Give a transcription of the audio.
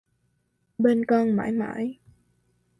Bên con mãi mãi